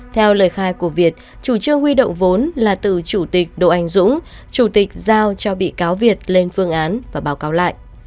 theo lời khai của việt chủ trương huy động vốn là từ chủ tịch độ anh dũng chủ tịch giao cho bị cáo việt lên phương án và báo cáo lại